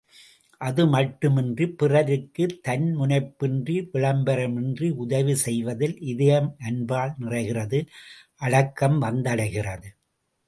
அது மட்டுமின்றிப் பிறருக்குத் தன்முனைப்பின்றி, விளம்பரமின்றி உதவி செய்வதில் இதயம் அன்பால் நிறைகிறது அடக்கம் வந்தடைகிறது.